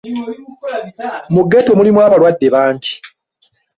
Mu ghetto mulimu abalwadde bangi